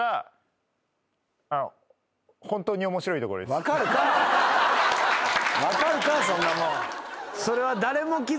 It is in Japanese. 分かるかそんなもん。